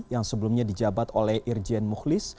yang sebelumnya dijabat oleh irjen mukhlis